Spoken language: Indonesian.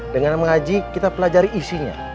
dengan mengaji kita pelajari isinya